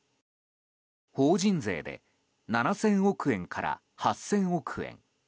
法人税で７０００億円から８０００億円